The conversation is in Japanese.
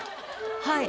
はい。